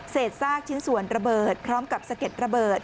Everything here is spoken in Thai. ซากชิ้นส่วนระเบิดพร้อมกับสะเก็ดระเบิด